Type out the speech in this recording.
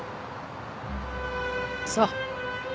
そう。